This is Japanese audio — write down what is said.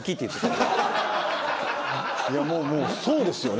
いやもうそうですよね。